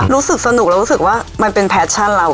รู้สึกสนุกเรารู้สึกว่ามันเป็นแพชชั่นเรา